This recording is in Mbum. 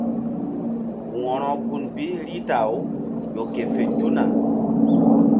Wo̧ro gun bi Rita-aw ƴo ke fe tuna.